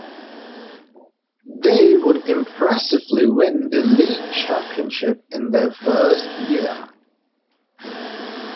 They would impressively win the league championship in their first year.